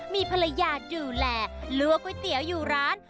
มีภรรยาดูแลลวกก๋วยเตี๋ยวอยู่ร้าน